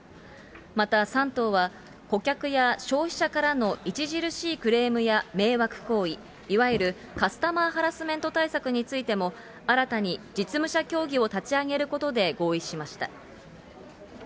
また３党は、顧客や消費者からの著しいクレームや迷惑行為、いわゆるカスタマーハラスメント対策についても、新たに実務者協議を立ち上げることで合意しました。